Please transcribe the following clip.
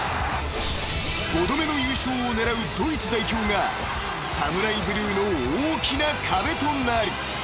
［５度目の優勝を狙うドイツ代表がＳＡＭＵＲＡＩＢＬＵＥの大きな壁となる］